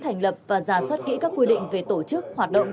thành lập và giả soát kỹ các quy định về tổ chức hoạt động